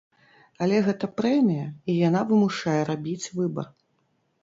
Але гэта прэмія, і яна вымушае рабіць выбар.